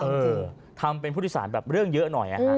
เออทำเป็นพุทธศาลแบบเรื่องเยอะหน่อย